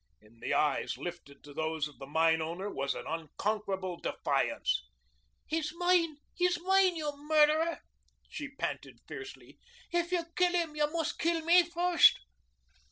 In the eyes lifted to those of the mine owner was an unconquerable defiance. "He's mine mine, you murderer," she panted fiercely. "If you kill him, you must kill me first."